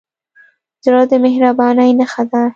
زړه د مهربانۍ نښه ده.